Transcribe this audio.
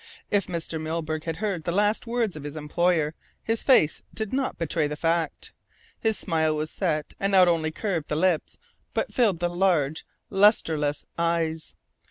If Mr. Milburgh had heard the last words of his employer, his face did not betray the fact. His smile was set, and not only curved the lips but filled the large, lustreless eyes.